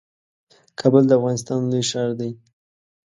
کابل د افغانستان لوی ښار دئ